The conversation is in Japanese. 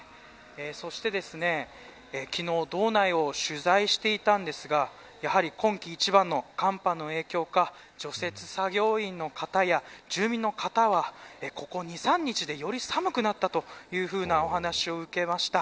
そして、昨日、道内を取材していたんですがやはり今季一番の寒波の影響か除雪作業員の方や住民の方はここ２、３日でより寒くなったというお話を受けました。